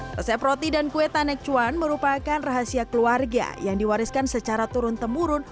resep roti dan kue tanek cuan merupakan rahasia keluarga yang diwariskan secara turun temurun